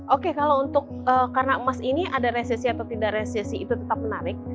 oke kalau untuk karena emas ini ada resesi atau tidak resesi itu tetap menarik